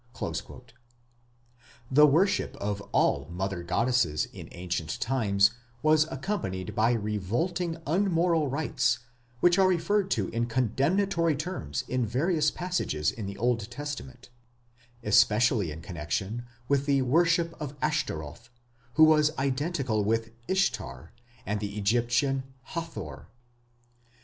The worship of all mother goddesses in ancient times was accompanied by revolting unmoral rites which are referred to in condemnatory terms in various passages in the Old Testament, especially in connection with the worship of Ashtoreth, who was identical with Ishtar and the Egyptian Hathor.